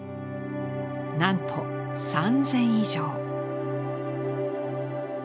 なんと３，０００以上。